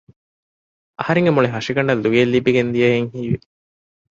އަހަރެންގެ މުޅި ހަށިގަނޑަށް ލުޔެއް ލިބިގެންދިޔަހެން ހީވި